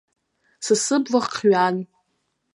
Са сыбла хҩан.